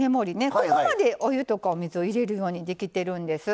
ここまでお湯とかお水を入れるようにできてるんです。